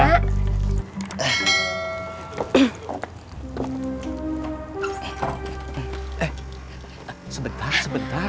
eh sebentar sebentar